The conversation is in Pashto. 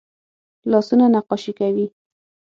لاسونه نقاشي کوي